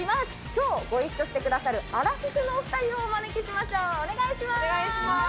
きょう、ご一緒してくださるアラフィフのお２人をお招きしました、お願いお願いします。